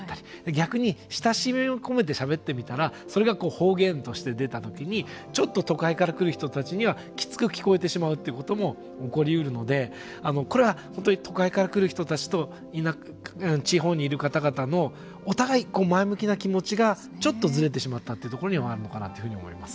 逆に、親しみを込めてしゃべってみたらそれが方言として出た時にちょっと都会から来る人たちにはきつく聞こえてしまうということも起こり得るのでこれは本当に都会から来る人たちと地方にいる方々のお互い前向きな気持ちがちょっとズレてしまったというところでもあるのかなと思います。